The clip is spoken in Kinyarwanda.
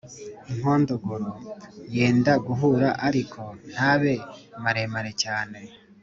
inkondogoro: yenda guhura ariko ntabe maremare cyane;